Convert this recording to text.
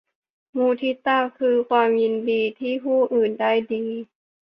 มุทิตาคือความยินดีที่ผู้อื่นได้ดี